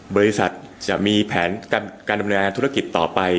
บริษัทจะมีแผนการดำเนินธุรกิจต่อไป